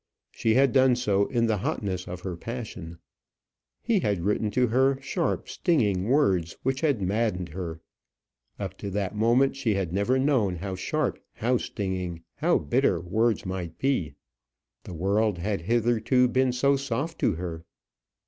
She had done so in the hotness of her passion. He had written to her sharp stinging words which had maddened her. Up to that moment she had never known how sharp, how stinging, how bitter words might be. The world had hitherto been so soft to her!